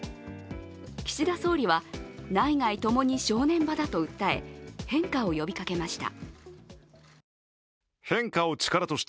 岸田総理は、内外共に正念場だと訴え、変化を呼びかけました。